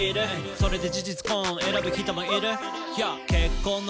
「それで事実婚選ぶ人もいる」